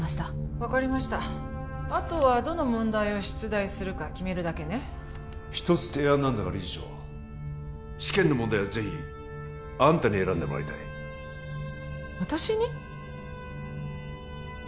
分かりましたあとはどの問題を出題するか決めるだけね一つ提案なんだが理事長試験の問題はぜひあんたに選んでもらいたい私に？